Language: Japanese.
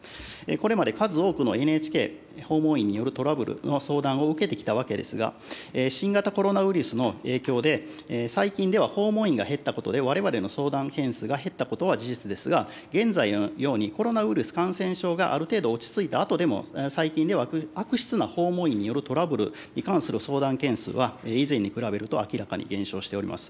これまで数多くのＮＨＫ訪問員によるトラブルの相談を受けてきたわけですが、新型コロナウイルスの影響で、最近では訪問員が減ったことで、われわれの相談件数が減ったことは事実ですが、現在のように、コロナウイルス感染症が、ある程度落ち着いたあとでも、最近では悪質な訪問員によるトラブルに関する相談件数は以前に比べると明らかに減少しております。